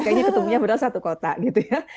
kayaknya ketemunya padahal satu kota gitu ya